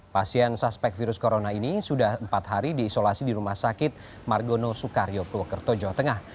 pasien suspek virus corona ini sudah empat hari diisolasi di rumah sakit margono soekario purwokerto jawa tengah